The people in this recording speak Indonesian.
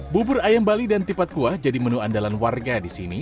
bubur ayam bali dan tipat kuah jadi menu andalan warga di sini